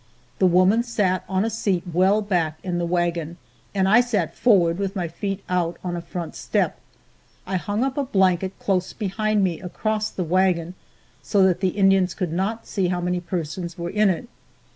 The woman sat on a seat well back in the wagon, and I sat forward with my feet out on a front step. I hung up a blanket close behind me across the wagon, so that the Indians could not see how many persons were in it.